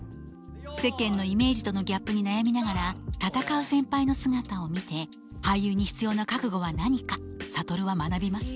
世間のイメージとのギャップに悩みながら闘う先輩の姿を見て俳優に必要な覚悟は何か諭は学びます。